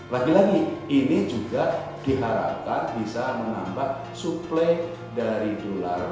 lagi lagi ini juga diharapkan bisa menambah suplai dari dolar